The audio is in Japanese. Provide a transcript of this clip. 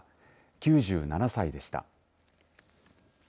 ９７歳でした。